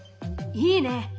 いいね！